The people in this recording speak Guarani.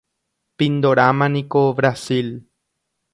Pindorámaniko Brasil.